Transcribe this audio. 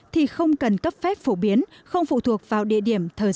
thì không cần cấp phép phổ biến không phụ thuộc vào địa điểm